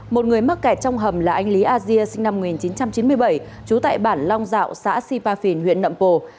một người mắc kẹt trong hầm là anh lý asia sinh năm một nghìn chín trăm chín mươi bảy trú tại bản long dạo xã sipafin huyện đậm bồ